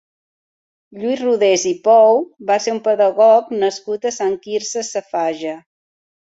Lluís Rodés i Pou va ser un pedagog nascut a Sant Quirze Safaja.